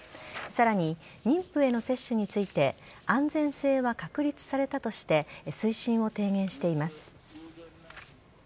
さらに、妊婦への接種について安全性は確立されたとして推進を提言しています。